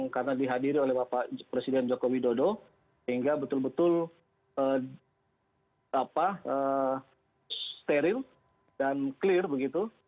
karena dihadiri oleh bapak presiden joko widodo sehingga betul betul steril dan clear begitu